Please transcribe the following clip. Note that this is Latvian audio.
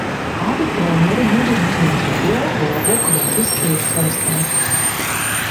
Abi treneri mudina uzņemt video un labo kļūdas tiešsaistē.